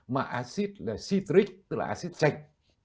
mà acid citric tức là acid chanh